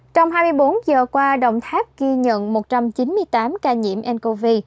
trong hai mươi bốn giờ qua đồng tháp ghi nhận một trăm chín mươi tám ca nhiễm ncov